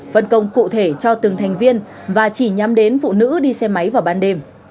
phân công cụ thể cho từng thành viên và chỉ nhắm đến phụ nữ đi xe máy vào ban đêm